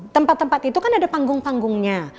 tempat tempat itu kan ada panggung panggungnya